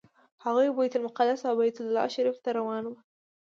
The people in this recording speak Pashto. هغوی بیت المقدس او بیت الله شریف ته روان وو.